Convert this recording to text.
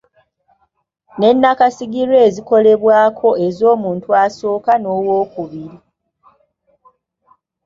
Ne nnakasigirwa ezikolebwako ez’omuntu asooka n’ow’okubiri.